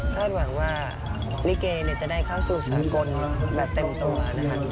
หวังว่าลิเกจะได้เข้าสู่สากลแบบเต็มตัวนะคะ